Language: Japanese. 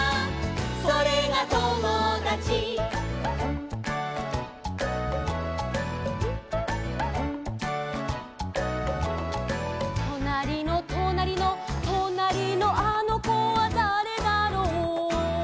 「それがともだち」「となりのとなりの」「となりのあのこはだれだろう」